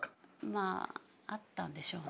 まああったんでしょうね。